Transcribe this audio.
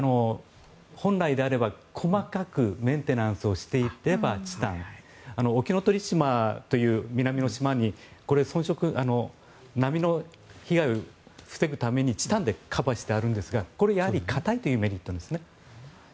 本来であれば細かくメンテナンスをしていけばチタン沖ノ鳥島という南の島に波の被害を防ぐためにチタンでカバーしてあるんですがやはり硬いというメリットがあるんですね。